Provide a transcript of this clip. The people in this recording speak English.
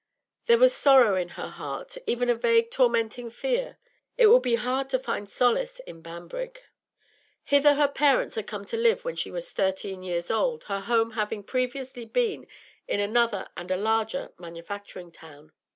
There was sorrow at her heart, even a vague tormenting fear. It would be hard to find solace in Banbrigg. Hither her parents had come to live when she was thirteen years old, her home having previously been in another and a larger manufacturing town.